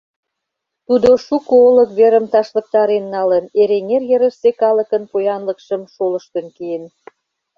Тудо шуко олык верым ташлыктарен налын, Эреҥер йырысе калыкын поянлыкшым шолыштын киен.